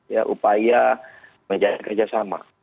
ya upaya menjaga kerjasama